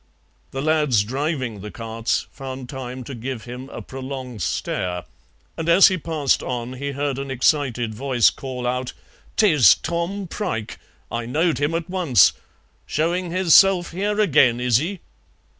The lads driving the carts found time to give him a prolonged stare, and as he passed on he heard an excited voice call out, "'Tis Tom Prike! I knowed him at once; showing hisself here agen, is he?"